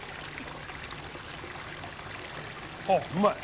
ああうまい。